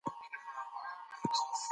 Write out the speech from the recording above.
راځئ چې په ګډه د پوهې رڼا خپله کړه.